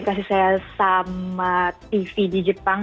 belum pernah dipercaya